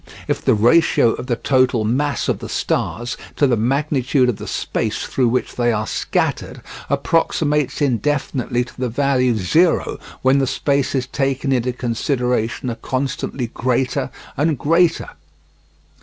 if the ratio of the total mass of the stars to the magnitude of the space through which they are scattered approximates indefinitely to the value zero when the spaces taken into consideration are constantly greater and greater.